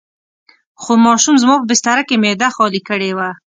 خو ماشوم زما په بستره کې معده خالي کړې وه.